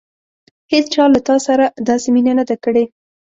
هېڅچا له تا سره داسې مینه نه ده کړې.